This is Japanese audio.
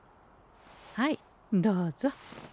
はいどうぞ。